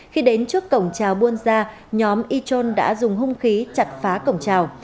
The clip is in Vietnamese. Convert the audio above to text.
khi đến trước cổng trào buôn gia nhóm y trôn đã dùng hung khí chặt phá cổng trào